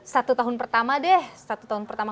satu tahun pertama deh satu tahun pertama